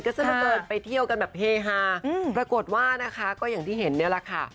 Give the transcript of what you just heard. ซะละเกินไปเที่ยวกันแบบเฮฮาปรากฏว่านะคะก็อย่างที่เห็นเนี่ยแหละค่ะ